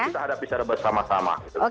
kita hadapi secara bersama sama